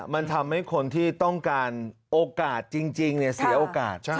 มันทำให้คนที่ต้องการโอกาสจริงเสียโอกาส